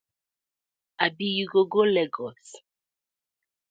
Abi you go go Legos?